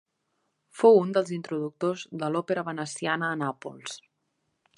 Fou un dels introductors de l'òpera veneciana a Nàpols.